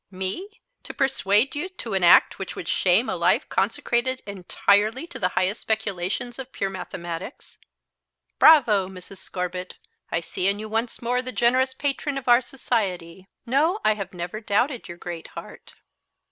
Me! To persuade you to an act which would shame a life consecrated entirely to the highest speculations of pure mathematics." "Bravo, Mrs. Scorbitt! I see in you once more the generous patron of our Society. No, I have never doubted your great heart."